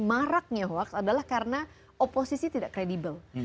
maraknya hoax adalah karena oposisi tidak kredibel